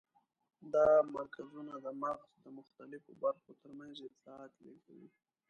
دا مرکزونه د مغز د مختلفو برخو تر منځ اطلاعات لېږدوي.